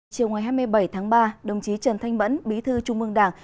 chiều hai mươi bảy tháng ba đồng chí trần thanh mẫn bí thư trung ương đảng